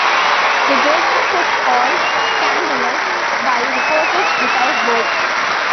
The judgment was called "scandalous" by Reporters Without Borders.